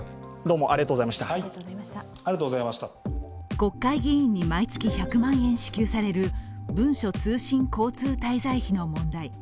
国会議員に毎月１００万円支給される文書通信交通滞在費の問題。